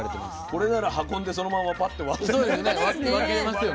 これなら運んでそのままパッて割ってね分けられるよ。